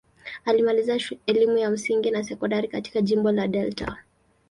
Alimaliza elimu ya msingi na sekondari katika jimbo la Delta.